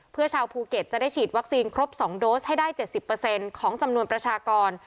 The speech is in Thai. เพื่อชาวภูเก็ตจะได้ฉีดวัคซีนครบ๒โดสให้ได้๗๐ของจำนวนประชากร